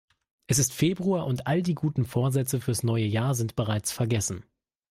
Es ist Februar und all die guten Vorsätze fürs neue Jahr sind bereits vergessen.